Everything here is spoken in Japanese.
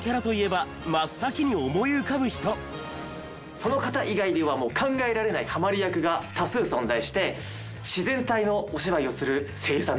その方以外ではもう考えられないハマリ役が多数存在して自然体のお芝居をする声優さんです。